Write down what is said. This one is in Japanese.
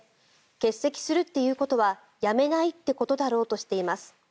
欠席するっていうことは辞めないってことだろうとしています。